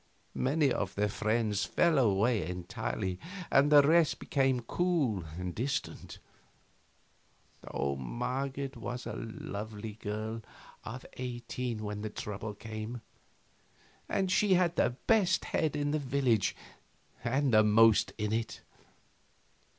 Many of their friends fell away entirely, and the rest became cool and distant. Marget was a lovely girl of eighteen when the trouble came, and she had the best head in the village, and the most in it.